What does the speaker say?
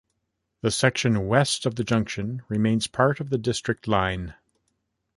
The section west of the junction remains part of the District line.